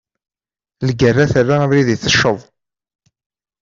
Lgerra terra abrid itecceḍ.